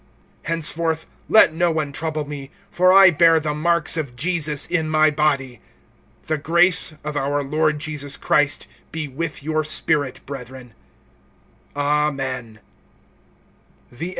(17)Henceforth let no one trouble me; for I bear the marks of Jesus in my body. (18)The grace of our Lord Jesus Christ be with your spirit, brethren. Amen.